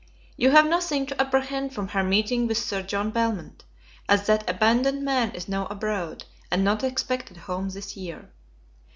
You have nothing to apprehend from her meeting with Sir John Belmont, as that abandoned man is now abroad, and not expected home this year.